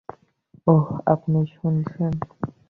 ওহ, আপনি শুনেছেন?